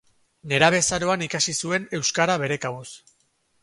Nerabezaroan ikasi zuen euskara bere kabuz.